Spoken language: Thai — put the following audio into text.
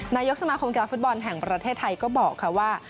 นายกสมาคมกีฬาฟุตบอลแห่งประเทศไทยก็บอกค่ะว่า